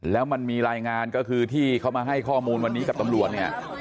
แล้วมันมีรายงานก็คือที่เขามาให้ข้อมูลวันนี้กับตำรวจเนี่ย